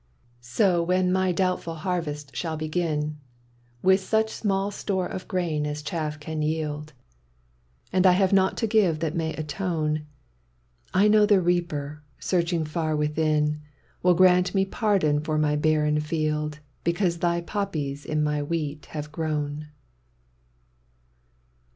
So when my doubtful harvest shall begin, With such small store of grain as chaff can yield, And I have naught to give that may atone, I know the Reaper, searching far within, Will grant me pardon for my barren field Because thy poppies in my wheat have grown.